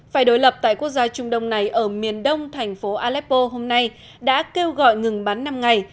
phe đối lập tại quốc gia trung đông này ở miền đông thành phố aleppo hôm nay đã kêu gọi ngừng bắn năm ngày